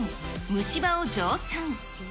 虫歯を蒸散。